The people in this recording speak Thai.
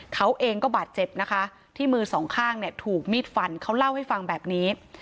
เขาเองก็บาดเจ็บนะคะที่มือสองข้างเนี่ยถูกมีดฟันเขาเล่าให้ฟังแบบนี้